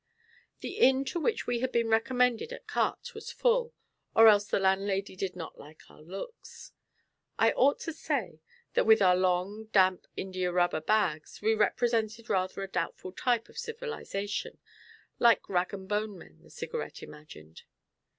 The inn to which we had been recommended at Quartes was full, or else the landlady did not like our looks. I ought to say, that with our long, damp india rubber bags, we presented rather a doubtful type of civilisation: like rag and bone men, the Cigarette imagined.